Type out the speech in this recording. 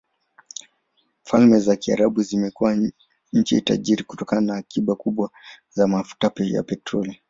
Falme za Kiarabu zimekuwa nchi tajiri kutokana na akiba kubwa za mafuta ya petroli.